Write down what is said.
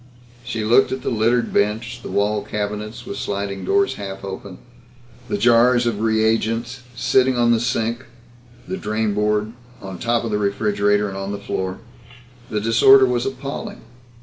She looked at the littered bench, the wall cabinets with sliding doors half open, the jars of reagents sitting on the sink, the drainboard, on top of the refrigerator and on the floor. The disorder was appalling.